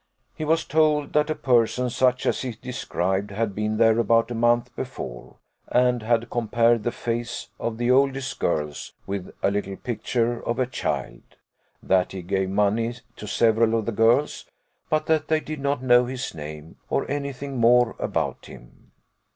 He was told that a person, such as he described, had been there about a month before, and had compared the face of the oldest girls with a little picture of a child: that he gave money to several of the girls, but that they did not know his name, or any thing more about him.